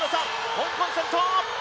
香港、先頭！